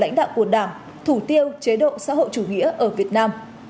lãnh đạo của đảng thủ tiêu chế độ xã hội chủ nghĩa ở việt nam